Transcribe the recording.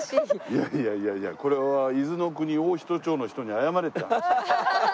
いやいやいやいやこれは伊豆の国大仁町の人に謝れって話だよ。